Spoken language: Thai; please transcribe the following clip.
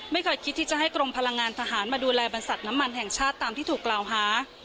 ไม่เคยคิดที่จะให้กรมพลังงานทหารมาดูแลบรรษัทน้ำมันแห่งชาติตามที่ถูกกล่าวหา